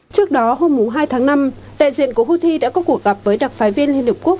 trước đó hôm hai tháng năm đại diện của houthi đã có cuộc gặp với đặc phái viên liên hợp quốc